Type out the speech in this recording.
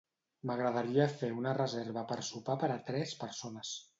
M'agradaria fer una reserva per sopar per a tres persones.